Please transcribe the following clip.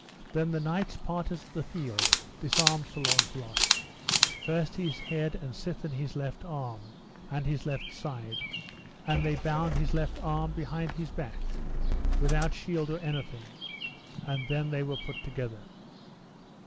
Then the knights parters of the field disarmed Sir Launcelot, first his head, and sithen his left arm, and his left side, and they bound his left arm behind his back, without shield or anything, and then they were put together.